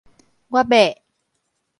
我欲